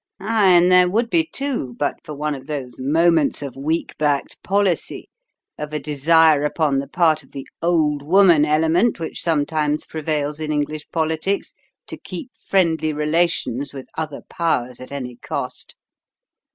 Aye, and there would be, too, but for one of those moments of weak backed policy, of a desire upon the part of the 'old woman' element which sometimes prevails in English politics to keep friendly relations with other powers at any cost.